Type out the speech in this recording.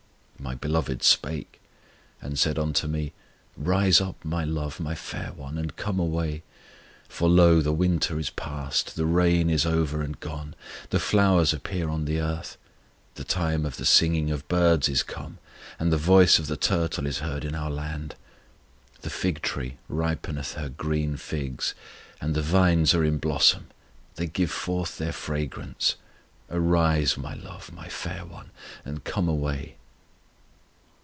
My Beloved spake, and said unto me, Rise up, My love, My fair one, and come away. For, lo, the winter is past, The rain is over and gone; The flowers appear on the earth; The time of the singing of birds is come, And the voice of the turtle is heard in our land; The fig tree ripeneth her green figs, And the vines are in blossom, They give forth their fragrance. Arise, My love, My fair one, and come away.